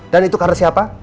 dan itu karena siapa